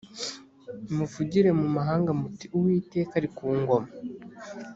muvugire mu mahanga muti uwiteka ari ku ngoma